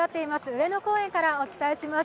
上野公園からお伝えします。